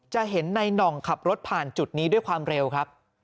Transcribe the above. จะเห็นในหน่องขับรถผ่านจุดนี้ด้วยความเร็วครับ